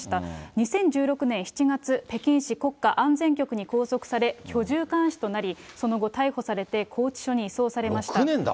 ２０１６年７月、北京市国家安全局に拘束され、居住監視となり、その後、逮捕されて拘置所に移送されました。